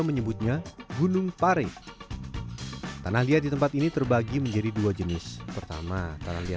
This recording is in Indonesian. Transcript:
menyebutnya gunung pare tanah liat di tempat ini terbagi menjadi dua jenis pertama tanah liat